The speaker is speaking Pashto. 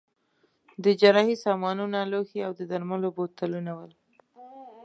د جراحۍ سامانونه، لوښي او د درملو بوتلونه ول.